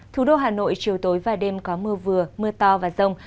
thủ đô hà nội chiều tối và đêm có mưa vừa mưa to và rông